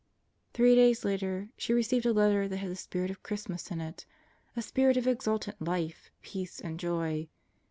Three days later she received a letter that had the spirit of Christmas in it a spirit of exultant life, peace, and joy.